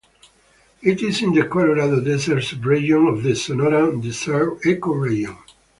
It is in the Colorado Desert subregion of the Sonoran Desert ecoregion.